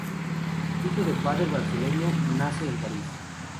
Hijo de padre brasileño, nace en París.